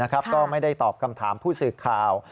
ก็ไม่ได้ตอบคำถามผู้สื่อข่าว